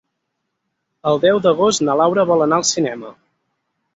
El deu d'agost na Laura vol anar al cinema.